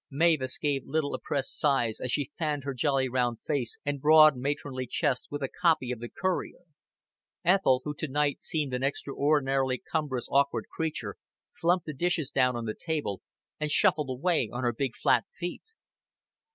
Mavis gave little oppressed sighs as she fanned her jolly round face and broad matronly chest with a copy of the Courier. Ethel, who to night seemed an extraordinarily cumbrous awkward creature, flumped the dishes down on the table and shuffled away on her big flat feet.